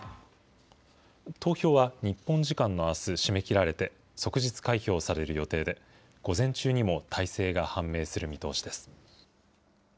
投票は日本時間のあす締め切られて、即日開票される予定で、午前中にも大勢が判明する見通しです。